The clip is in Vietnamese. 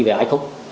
về ai không